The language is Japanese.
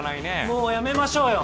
もうやめましょうよ